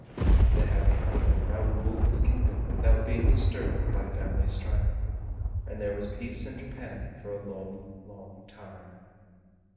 The Happy Hunter now ruled his Kingdom without being disturbed by family strife, and there was peace in Japan for a long, long time.